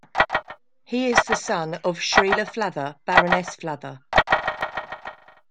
He is the son of Shreela Flather, Baroness Flather.